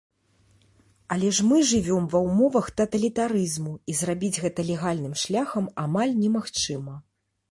Але ж мы жывём ва ўмовах таталітарызму і зрабіць гэта легальным шляхам амаль немагчыма.